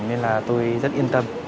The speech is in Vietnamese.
nên là tôi rất yên tâm